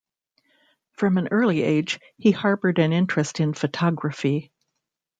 From an early age, he harbored an interest in photography.